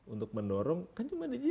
untuk mendorong kan cuma digitalisasi ya